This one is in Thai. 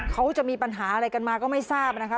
เขาจะมีปัญหาอะไรกันมาก็ไม่ทราบนะคะ